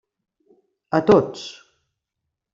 A tots.